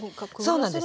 そうなんです。